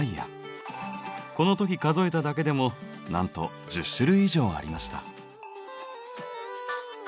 この時数えただけでもなんと１０種類以上ありました。